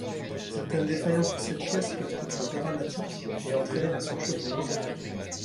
Certaines défaillance de cette pièce peuvent être dramatiques et entraîner la surchauffe du moteur.